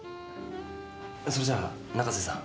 それじゃあ仲瀬さん。